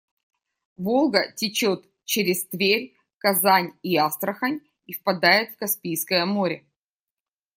Волга течёт через Тверь, Казань и Астрахань и впадает в Каспийское море.